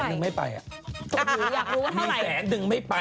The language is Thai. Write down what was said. อักลูกอยากรู้ว่าเท่าไหร่มีแสน๑ไม่ไป